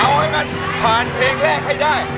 เอาให้มันผ่านเพลงแรกให้ได้